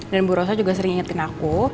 dan bu rosa juga sering ngingetin aku